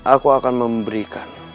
aku akan memberikan